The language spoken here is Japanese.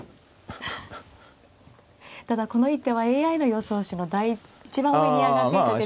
ただこの一手はＡＩの予想手の一番上に挙がっていた手でもありますね。